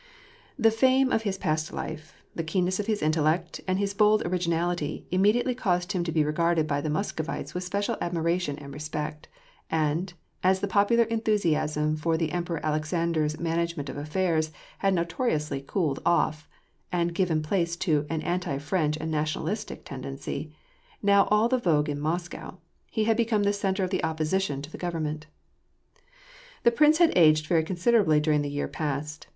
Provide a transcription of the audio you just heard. The fame of his past life, the keenness of his intellect, and his bold originality, immediately caused him to be regarded by the Moscovites with special admiration and respect ; and, as the popular enthusiasm for the Emperor Alexander's manage ment of affairs had notoriously cooled down, and given place to an anti French and nationalistic tendency, now sdl the vogue in Moscow, he had become the centre of the opposition to the government. The prince had aged very considerably during the year past.